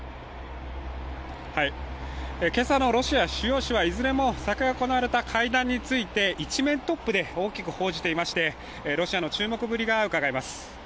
今朝のロシア主要紙はいずれも昨夜行われた会談について一面トップで大きく報じていまして、ロシアの注目ぶりがうかがえます。